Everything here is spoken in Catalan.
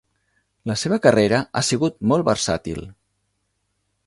La seva carrera ha sigut molt versàtil.